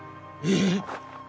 ええ？